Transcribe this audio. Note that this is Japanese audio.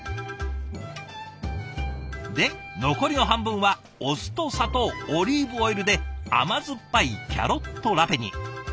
で残りの半分はお酢と砂糖オリーブオイルで甘酸っぱいキャロットラペに。